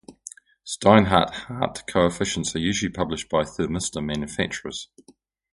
Steinhart-Hart coefficients are usually published by thermistor manufacturers.